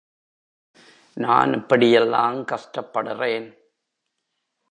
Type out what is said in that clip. நான் இப்படியெல்லாங் கஷ்டப்படறேன்.